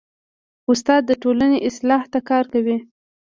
استاد د ټولنې اصلاح ته کار کوي.